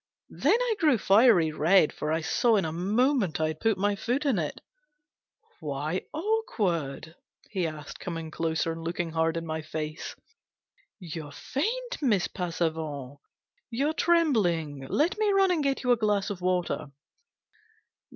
Then I grew fiery red, for I saw in a moment I'd put my foot in it. " Why awkward ?" he asked, coming closer GENERAL PASSAVANT'S WILL. 341 and looking hard in my face. "You're faint, Miss Passavant ! You're trembling ! Let me run and get you a glass of water."